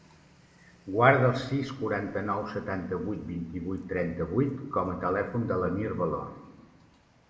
Guarda el sis, quaranta-nou, setanta-vuit, vint-i-vuit, trenta-vuit com a telèfon de l'Amir Valor.